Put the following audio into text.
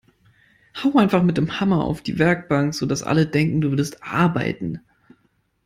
Hau einfach mit dem Hammer auf die Werkbank, sodass alle denken, du würdest arbeiten!